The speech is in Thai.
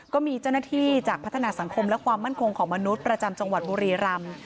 ก็มีเจ้าหน้าที่จากพัฒนาสังคมและความมั่นคงของมนุษย์ประจำจังหวัดบุรีรำ